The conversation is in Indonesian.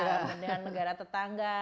mendingan negara tetangga